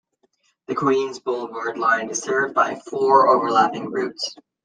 The Queens Boulevard line is served by four overlapping routes.